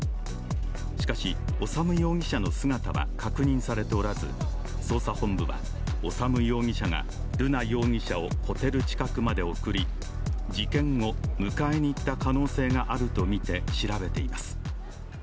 しかし、修容疑者の姿は確認されておらず捜査本部は修容疑者が瑠奈容疑者をホテル近くまで送り事件後、迎えに行った可能性があるとみて調べています。